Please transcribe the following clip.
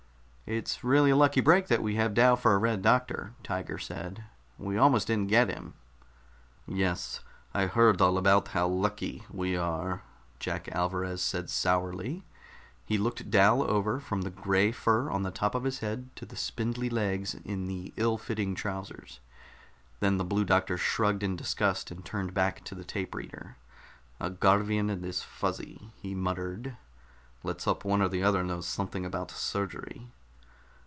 "It's really a lucky break that we have Dal for a Red Doctor," Tiger said. "We almost didn't get him." "Yes, I heard all about how lucky we are," Jack Alvarez said sourly. He looked Dal over from the gray fur on the top of his head to the spindly legs in the ill fitting trousers. Then the Blue Doctor shrugged in disgust and turned back to the tape reader. "A Garvian and his Fuzzy!" he muttered. "Let's hope one or the other knows something about surgery."